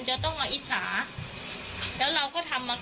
ไม่ใช่ว่าเขาทำมาก่อนแล้วเรามาทำแล้วเราได้ผลประโยชน์ไปตรงนี้เขาไม่ได้